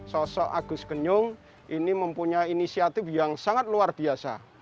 sosok agus kenyung ini mempunyai inisiatif yang sangat luar biasa